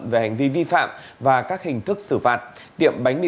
về hành vi vi phạm và các hình thức xử phạt